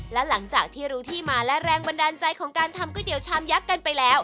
และหลังจากที่รู้ที่มาและแรงบันดาลใจของการทำก๋วเตี๋ชามยักษ์กันไปแล้ว